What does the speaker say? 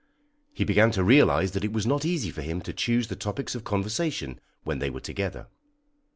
He began to realize that it was not easy for him to choose the topics of conversation when they were together.